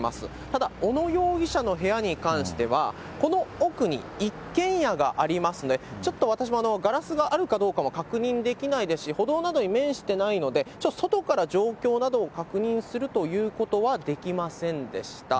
ただ、小野容疑者の部屋に関しては、この奥に一軒家がありますので、ちょっと私もガラスがあるかどうかは確認できないですし、歩道などに面してないので、外から状況などを確認するということはできませんでした。